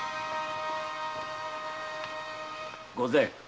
御前。